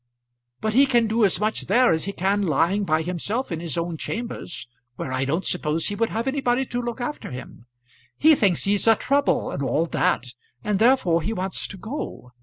"But he can do as much there as he can lying by himself in his own chambers, where I don't suppose he would have anybody to look after him. He thinks he's a trouble and all that, and therefore he wants to go.